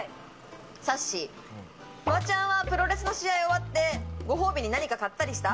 さっしー、フワちゃんはプロレスの試合終わって、ご褒美に何か買ったりした？